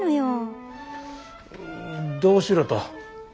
うんどうしろと。